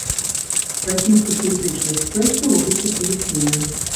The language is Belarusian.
Расійскацэнтрычнасць фэсту робіцца традыцыйнай.